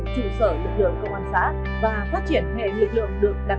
nhiều địa phương đã ban hành chương trình hành động cụ thể